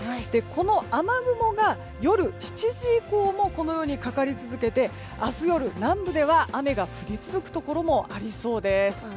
この雨雲が夜７時以降もかかり続けて明日夜、南部では雨が降り続くところもありそうです。